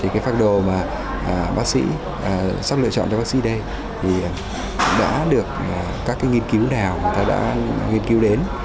cái phác đồ mà bác sĩ sắp lựa chọn cho bác sĩ đây thì đã được các nghiên cứu nào người ta đã nghiên cứu đến